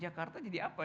jakarta jadi apa